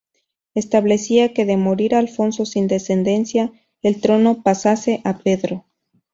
Establecía que, de morir Alfonso sin descendencia, el trono pasase a Pedro.